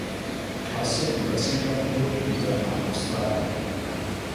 Klasse über Singapur wieder nach Australien.